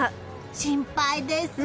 心配です。